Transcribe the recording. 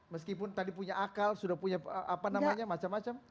meskipun tadi punya akal sudah punya apa namanya macam macam